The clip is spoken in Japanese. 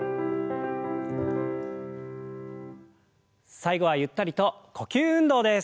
最後はゆったりと呼吸運動です。